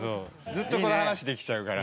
ずっとこの話できちゃうから。